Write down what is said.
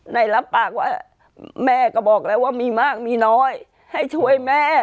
ได้รับปากว่าแม่ก็บอกแล้วว่ามีมากมีน้อยให้ช่วยแม่